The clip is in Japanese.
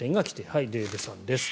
はい、デーブさんです。